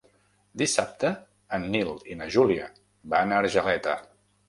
Dissabte en Nil i na Júlia van a Argeleta.